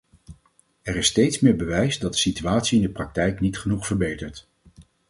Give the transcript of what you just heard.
Er is steeds meer bewijs dat de situatie in de praktijk niet genoeg verbetert.